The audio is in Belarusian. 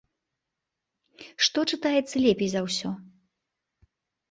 Што чытаецца лепей за ўсё?